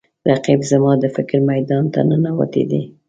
رقیب زما د فکر میدان ته ننوتی دی